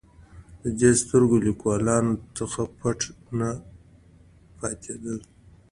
د دې سترګور لیکوالانو څخه پټ نه پاتېدل.